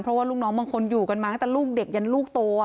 เพราะว่าลูกน้องบางคนอยู่กันมาตั้งแต่ลูกเด็กยันลูกโต